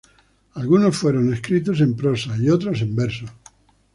Algunos fueron escritos en prosa y otros en verso.